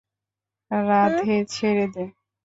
রাধে ছেড়ে দে!